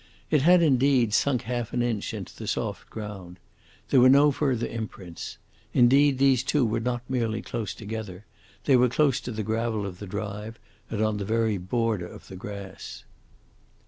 It had, indeed, sunk half an inch into the soft ground. There were no further imprints. Indeed, these two were not merely close together, they were close to the gravel of the drive and on the very border of the grass.